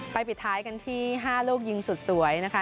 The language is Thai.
ปิดท้ายกันที่๕ลูกยิงสุดสวยนะคะ